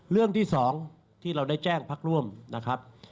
เรื่องที่๒ที่เราได้แจ้งพักร่วมนะครับ